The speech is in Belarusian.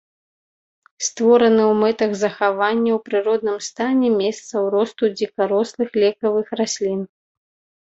Створаны ў мэтах захавання ў прыродным стане месцаў росту дзікарослых лекавых раслін.